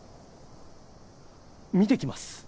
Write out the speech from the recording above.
見てきます。